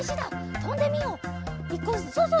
とんでみよう。